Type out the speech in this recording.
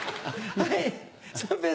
はい。